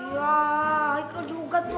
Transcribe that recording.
iya haikal juga tuh